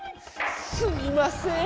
すいません！